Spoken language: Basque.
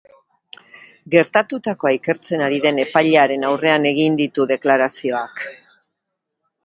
Gertatuakoa ikertzen ari den epailearen aurrean egin ditu deklarazioak.